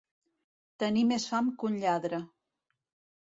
Tenir més fam que un lladre.